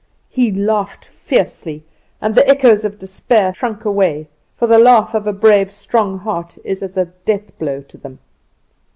"He laughed fiercely; and the Echoes of Despair slunk away, for the laugh of a brave, strong heart is as a death blow to them.